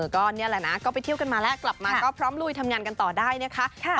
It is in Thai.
ก็นี่แหละนะก็ไปเที่ยวกันมาแล้วกลับมาก็พร้อมลุยทำงานกันต่อได้นะคะ